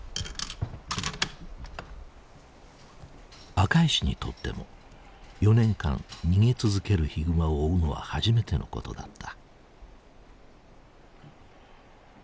赤石にとっても４年間逃げ続けるヒグマを追うのは初めてのことだった。